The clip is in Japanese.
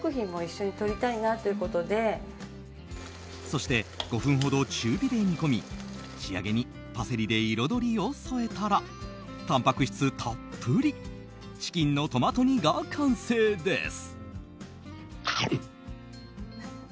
そして５分ほど中火で煮込み仕上げにパセリで彩りを添えたらたんぱく質たっぷりチキンのトマト煮が完成です。